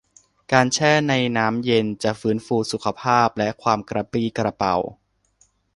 การแช่ในน้ำเย็นจะฟื้นฟูสุขภาพและความกระปรี้กระเปร่า